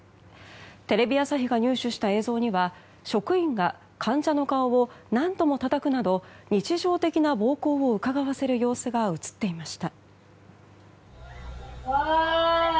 テレビ朝日が入手した映像には職員が患者の顔を何度もたたくなど日常的な暴行をうかがわせる様子が映っていました。